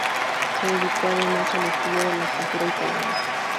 Se dedicó además al estudio de la cultura italiana.